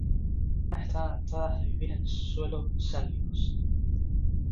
Algunas están adaptadas a vivir en suelo salinos.